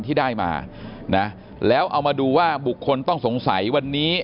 ที่ได้มานะแล้วเอามาดูว่าบุคคลต้องสงสัยวันนี้